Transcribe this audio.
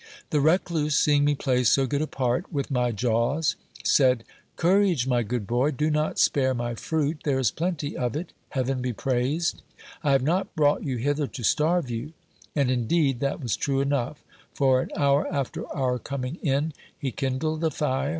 The recluse, seeing me play so good a part with my jaws, said : Courage, my good boy, do not spare my fruit ; there is plenty of it Heaven be praised. I have not brought you hither to starve you. And in deed that was true enough ; for an hour after our coming in, he kindled a fire, 366 GIL BLAS.